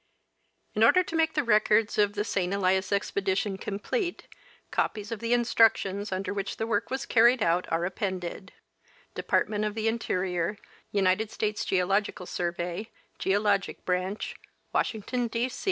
Ill order to make the records of the St. Elias expedition conrplete, copies of the instructions under which tlie work was carried out are appended : Department of the Interior, United States Geological Sdrvey, Geologic Branch, Washington, D.